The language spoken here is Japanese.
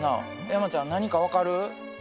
山ちゃん何か分かる？